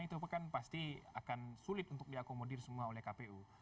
itu kan pasti akan sulit untuk diakomodir semua oleh kpu